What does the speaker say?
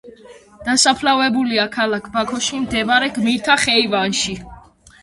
დასაფლავებულია ქალაქ ბაქოში მდებარე გმირთა ხეივანში.